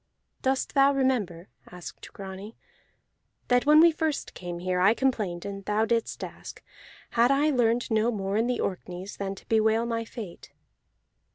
"Dost thou remember," asked Grani, "that when we first came here I complained, and thou didst ask: Had I learned no more in the Orkneys than to bewail my fate?"